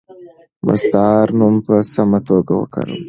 مستعار نوم په سمه توګه وکاروه.